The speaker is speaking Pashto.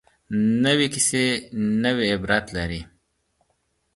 نوې کیسه نوې عبرت لري